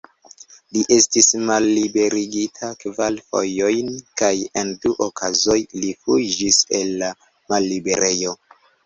Li estis malliberigita kvar fojojn kaj, en du okazoj, li fuĝis el la malliberejo.